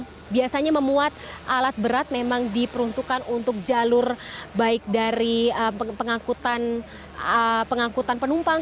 juga dilewati oleh kereta yang biasanya memuat alat berat memang diperuntukkan untuk jalur baik dari pengangkutan penumpang